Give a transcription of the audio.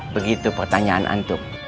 begitu pertanyaan antum